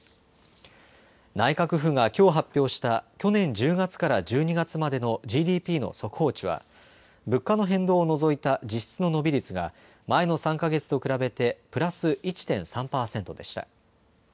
内閣府がきょう発表した去年１０月から１２月までのＧＤＰの速報値は物価の変動を除いた実質の伸び率が前の３か月と比べてプラス１．３％でした。